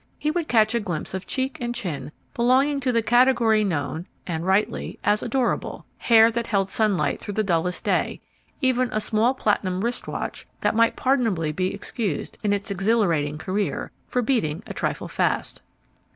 He would catch a glimpse of cheek and chin belonging to the category known (and rightly) as adorable; hair that held sunlight through the dullest day; even a small platinum wrist watch that might pardonably be excused, in its exhilarating career, for beating a trifle fast.